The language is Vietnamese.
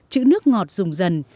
chữ nước ngọt dùng dần